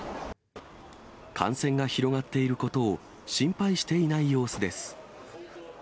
感染が広がっていることを心配していない様子です。